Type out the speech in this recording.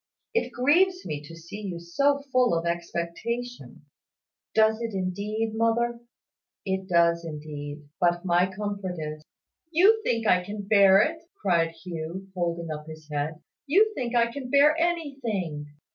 It grieves me to see you so full of expectation " "Does it indeed, mother?" "It does indeed. But my comfort is " "You think I can bear it," cried Hugh, holding up his head. "You think I can bear anything."